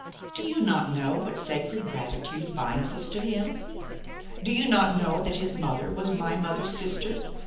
Do you not know what sacred gratitude binds us to him? do you not know that his mother was my mother's sister?